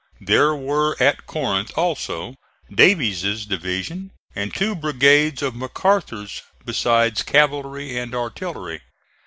There were at Corinth also Davies' division and two brigades of McArthur's, besides cavalry and artillery.